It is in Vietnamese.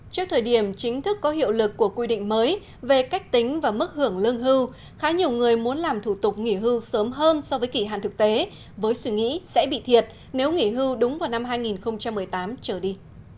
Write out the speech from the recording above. trước thời điểm chính thức có hiệu lực của quy định mới về cách tính và mức hưởng lương hưu khá nhiều người muốn làm thủ tục nghỉ hưu sớm hơn so với kỷ hạn thực tế với suy nghĩ sẽ bị thiệt nếu nghỉ hưu đúng vào năm hai nghìn một mươi tám trở đi